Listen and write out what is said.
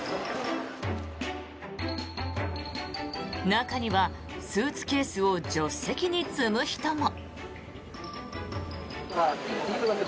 中にはスーツケースを助手席に積む人も。